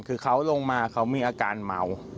คือเขาลงมาเขามีอาการเมา